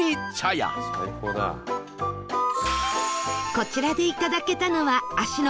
こちらでいただけたのは芦ノ